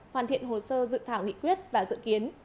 hoàn thiện hồ sơ dự thảo nghị quyết và dự kiến